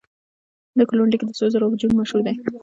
د کلونډیک د سرو زرو هجوم مشهور دی.